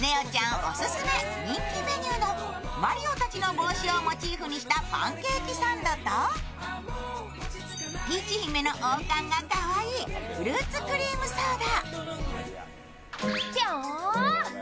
オススメ人気メニューのマリオたちの帽子をモチーフにしたパンケーキサンドとピーチ姫の王冠がかわいいフルーツクリームソーダ。